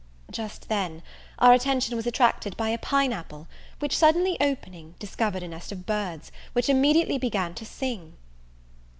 Just then our attention was attracted by a pine apple; which, suddenly opening, discovered a nest of birds, which immediately began to sing.